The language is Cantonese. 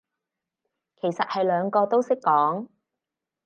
其實係兩個都識講